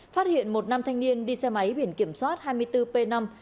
phát hiện một năm thanh niên đi xe máy biển kiểm soát hai mươi bốn p năm hai mươi tám năm mươi chín